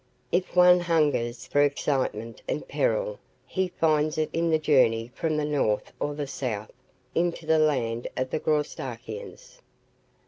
If one hungers for excitement and peril he finds it in the journey from the north or the south into the land of the Graustarkians.